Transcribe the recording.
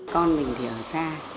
con mình thì ở xa